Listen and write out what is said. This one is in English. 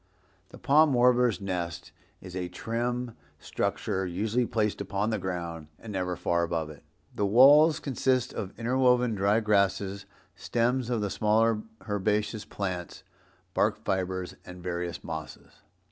The Palm Warbler's nest is a trim structure, usually placed upon the ground and never far above it. The walls consist of interwoven dry grasses, stems of the smaller herbaceous plants, bark fibres and various mosses.